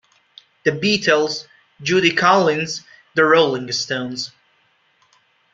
The Beatles, Judy Collins, The Rolling Stones.